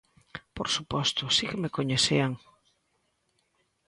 Por suposto, si que me coñecían.